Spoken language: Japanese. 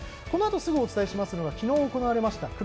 このあとすぐお伝えしますのが昨日、行われました